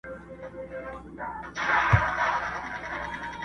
هم سلوک هم یې رفتار د ملکې وو!.